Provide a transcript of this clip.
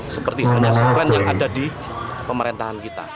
seperti penyesalan yang ada di pemerintahan kita